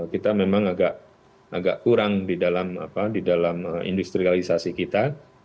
kita memang agak kurang di dalam industrialisasi kita